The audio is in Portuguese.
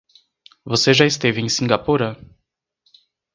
Você já esteve em Cingapura?